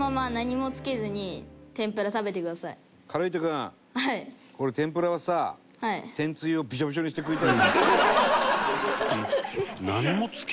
かるぃーと君俺天ぷらはさ天つゆをびしゃびしゃにして食いたい。